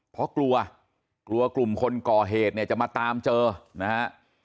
เพราะกลัวกลัวกลุ่มคนก่อเหตุเนี่ยจะมาตามเจอนะฮะ